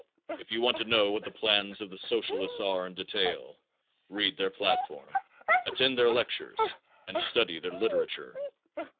If you want to know what the plans of the socialists are in detail read their platform, attend their lectures and study their literature.